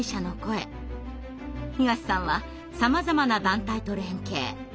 東さんはさまざまな団体と連携。